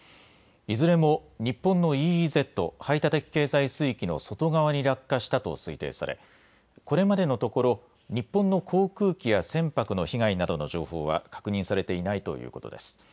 いずれも日本のＥＥＺ・排他的経済水域の外側に落下したと推定され、これまでのところ日本の航空機や船舶の被害などの情報は確認されていないということです。